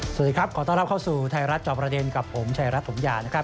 สวัสดีครับขอต้อนรับเข้าสู่ไทยรัฐจอบประเด็นกับผมชายรัฐถมยานะครับ